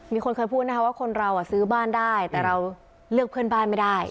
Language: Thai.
มีคนเคยพูดนะคะว่าคนเราซื้อบ้านได้แต่เราเลือกเพื่อนบ้านไม่ได้